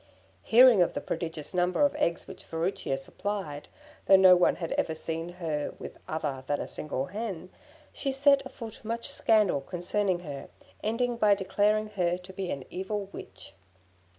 Hearing of the prodigious number of eggs which Furicchia supplied, though no one had ever seen her with other than a single hen, she set afoot much scandal concerning her, ending by declaring her to be an evil Witch.